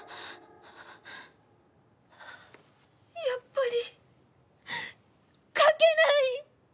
やっぱり書けない。